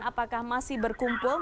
apakah masih berkumpul